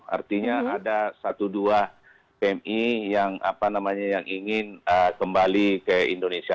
artinya ada satu dua pmi yang ingin kembali ke indonesia